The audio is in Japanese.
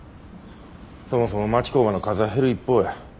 そもそも町工場の数は減る一方や。